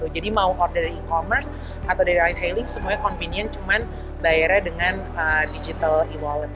jadi mau order e commerce atau dari line hailing semuanya convenient cuma bayarnya dengan digital e wallet